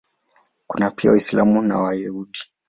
Kuna pia Waislamu na Wayahudi.